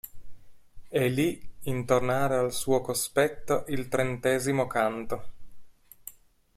E lì intonare al suo cospetto il Trentesimo Canto.